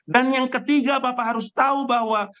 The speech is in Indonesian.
dan yang ketiga bapak harus tahu bahwa